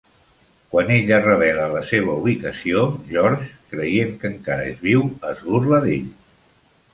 Quan ella revela la seva ubicació, George, creient que encara és viu, es burla d'ell.